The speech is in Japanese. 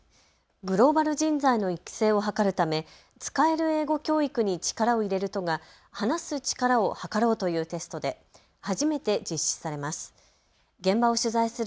グローバル人材の育成を図るため使える英語教育に力を入れる都が話す力をはかろうというテストで初めて実施されます。